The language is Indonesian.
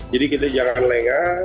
jadi kita jangan lengah